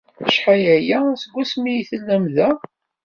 Acḥal aya seg wasmi ay tellam da?